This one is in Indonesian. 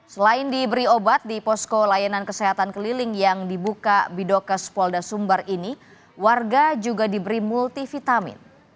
selain diberi obat di posko layanan kesehatan keliling yang dibuka bidokes polda sumbar ini warga juga diberi multivitamin